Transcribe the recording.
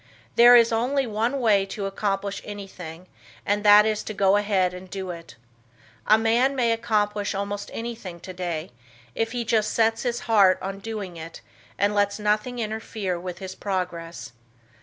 There is only one way to accomplish anything and that is to go ahead and do it. A man may accomplish almost anything today, if he just sets his heart on doing it and lets nothing interfere with his progress.